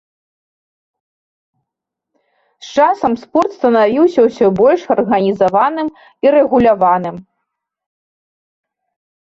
З часам спорт станавіўся ўсё больш арганізаваным і рэгуляваным.